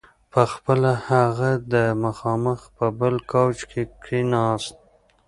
په خپله هغې ته مخامخ په بل کاوچ کې کښېناست.